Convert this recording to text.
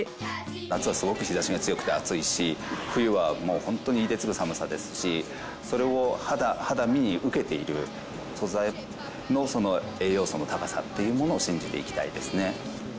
夏はすごく日差しが強くて暑いし冬はホントに凍てつく寒さですしそれを肌身に受けている素材の栄養素の高さっていうものを信じていきたいですね。